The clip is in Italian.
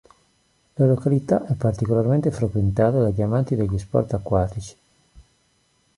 La località è particolarmente frequentata dagli amanti degli sport acquatici.